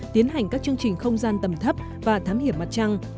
tiến hành các chương trình không gian tầm thấp và thám hiểm mặt trăng